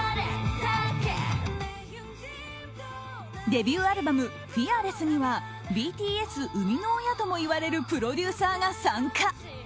デビューアルバム「ＦＥＡＲＬＥＳＳ」にはＢＴＳ生みの親ともいわれるプロデューサーが参加。